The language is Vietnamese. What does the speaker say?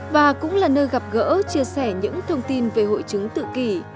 và cũng là nơi gặp gỡ chia sẻ những thông tin về hội chứng tự kỷ